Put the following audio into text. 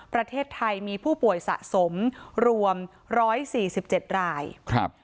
ประเทศไทยมีผู้ป่วยสะสมรวม๑๔๗รับ